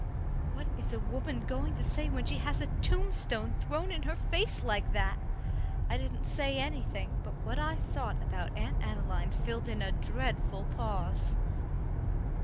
What is a woman going to say when she has a tombstone thrown in her face like that? I didn't say anything, but what I thought about Aunt Adeline filled in a dreadful pause.